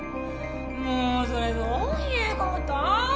もうそれどういう事？